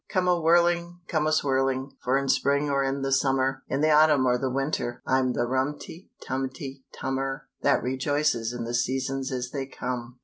Come a whirling, come a swirling; For in spring or in the summer, In the autumn or the winter I'm the rumty, tumty, tummer That rejoices in the seasons as they come.